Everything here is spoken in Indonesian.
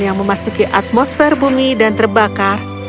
yang memasuki atmosfer bumi dan terbakar